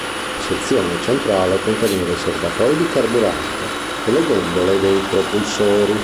La sezione centrale conteneva i serbatoi di carburante e le gondole dei propulsori.